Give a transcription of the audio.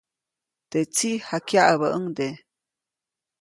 Teʼ tsiʼ jakyaʼäbäʼuŋde.